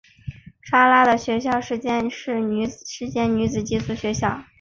莎拉的学校是间女子寄宿学校。